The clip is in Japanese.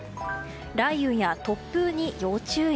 雷雨や突風に要注意。